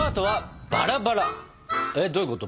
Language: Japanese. えっどういうこと？